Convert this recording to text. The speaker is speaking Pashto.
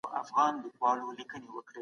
دولت بايد د رعيیت ساتنه وکړي.